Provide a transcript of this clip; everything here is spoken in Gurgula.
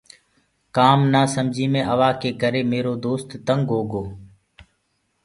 ڪآم نآسمجي مي آوآ ڪي ڪري ميرو دو تينگ هوگو۔